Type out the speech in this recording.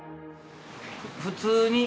普通に。